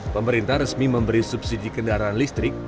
pemerintah resmi memberi subsidi kendaraan listrik